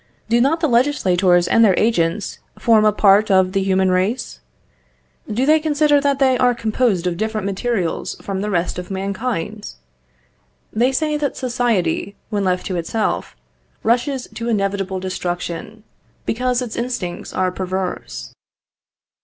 Do not the legislators and their agents form a part of the human race? Do they consider that they are composed of different materials from the rest of mankind? They say that society, when left to itself, rushes to inevitable destruction, because its instincts are perverse.